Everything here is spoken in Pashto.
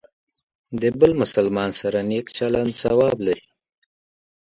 د بل مسلمان سره نیک چلند ثواب لري.